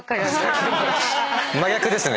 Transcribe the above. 真逆ですね。